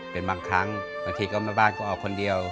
เป็นบางครั้งบางทีก็แม่บ้านก็ออกคนเดียว